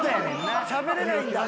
「しゃべれないんだ」